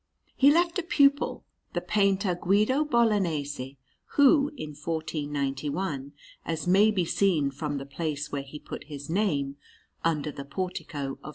He left a pupil, the painter Guido Bolognese, who, in 1491, as may be seen from the place where he put his name, under the portico of S.